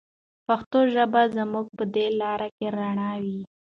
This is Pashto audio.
پښتو ژبه به زموږ په دې لاره کې رڼا وي.